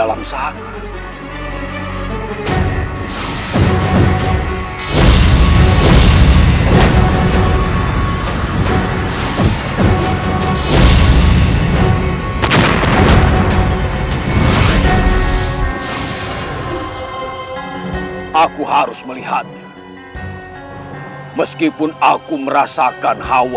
aku harus menghancurkan jasadmu